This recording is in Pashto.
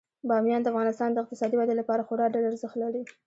بامیان د افغانستان د اقتصادي ودې لپاره خورا ډیر ارزښت لري.